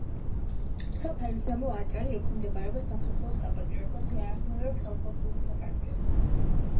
სოფელი ზემო არტანი ექვემდებარება საქართველოს საპატრიარქოს თიანეთისა და ფშავ-ხევსურეთის ეპარქიას.